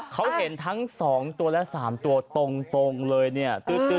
เขาเห็นทั้ง๒ตัวและ๓ตัวตรงเลยเนี่ย